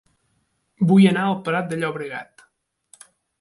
Vull anar a El Prat de Llobregat